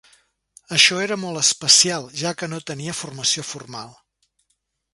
Això era molt especial, ja que no tenia formació formal.